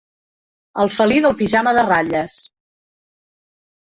El felí del pijama de ratlles.